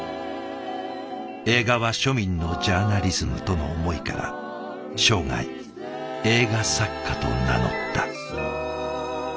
映画は庶民のジャーナリズムとの思いから生涯映画作家と名乗った。